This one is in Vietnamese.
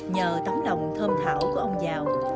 nhờ tấm lòng thơm thảo của ông dào